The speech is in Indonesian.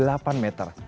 kedalamnya delapan meter